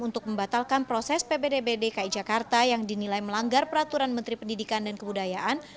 untuk membatalkan proses ppdb dki jakarta yang dinilai melanggar peraturan menteri pendidikan dan kebudayaan